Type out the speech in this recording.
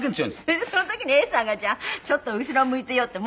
「それでその時に永さんがじゃあちょっと後ろ向いていようって。